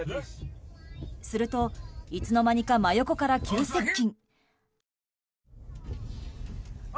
すると、いつの間にか真横から急接近。